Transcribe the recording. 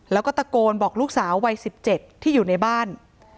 แล้วก็ตะโกนบอกลูกสาววัย๑๗ที่อยู่ในบ้าน